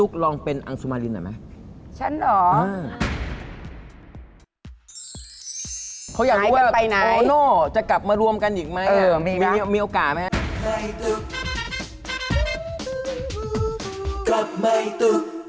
เขาอยากรู้ว่าอ๋อจะกลับมาร่วมกันอีกไหมมีโอกาสไหมครับ